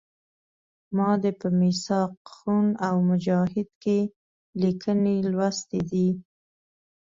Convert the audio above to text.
ما دې په میثاق خون او مجاهد کې لیکنې لوستي دي.